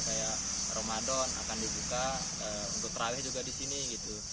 kayak ramadan akan dibuka untuk terawih juga di sini gitu